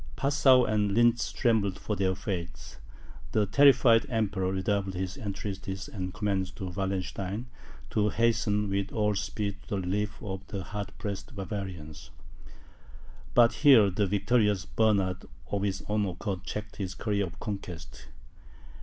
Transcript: Passau and Lintz trembled for their fate; the terrified Emperor redoubled his entreaties and commands to Wallenstein, to hasten with all speed to the relief of the hard pressed Bavarians. But here the victorious Bernard, of his own accord, checked his career of conquest.